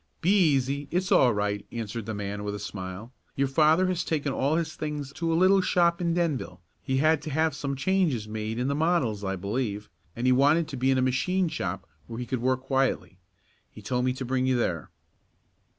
"Be easy. It's all right," answered the man with a smile. "Your father has taken all his things to a little shop in Denville. He had to have some changes made in the models I believe, and he wanted to be in a machine shop where he could work quietly. He told me to bring you there."